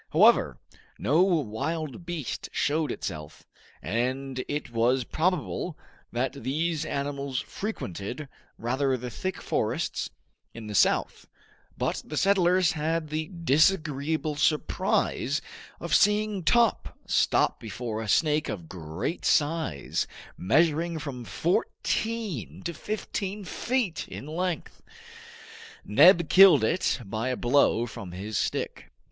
However, no wild beast showed itself, and it was probable that these animals frequented rather the thick forests in the south; but the settlers had the disagreeable surprise of seeing Top stop before a snake of great size, measuring from fourteen to fifteen feet in length. Neb killed it by a blow from his stick.